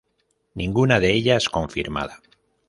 Ninguna de ellas confirmada.